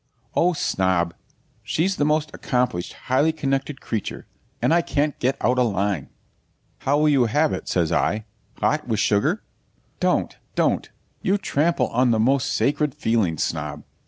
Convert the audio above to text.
'Oh, Snob! she's the most accomplished, highly connected creature! and I can't get out a line.' 'How will you have it?' says I. 'Hot, with sugar?' 'Don't, don't! You trample on the most sacred feelings, Snob.